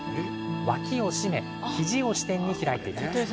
脇を締め肘を支点に開いていきます。